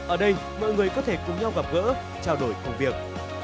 ở đây mọi người có thể cùng nhau gặp gỡ trao đổi công việc